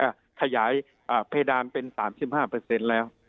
อ่าขยายอ่าเพดานเป็นสามสิบห้าเปอร์เซ็นต์แล้วค่ะ